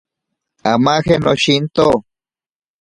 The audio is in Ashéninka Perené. Amaje noshinto.